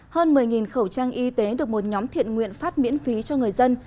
hơn một mươi khẩu trang y tế được một nhóm thiện nguyện phát miễn phí cho người dân